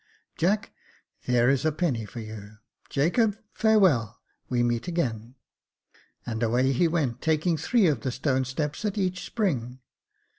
" Jack, there is a penny for you. Jacob, farewell — we meet again ;" and away he went, taking three of the stone steps at each spring.